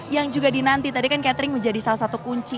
yang juga dinanti tadi kan catering menjadi salah satu kunci